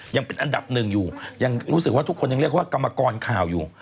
ยังเป็นอันดับหนึ่งอยู่ยังรู้สึกว่าทุกคนยังเรียกว่ากรรมกรข่าวอยู่